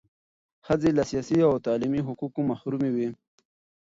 ښځې له سیاسي او تعلیمي حقوقو محرومې وې.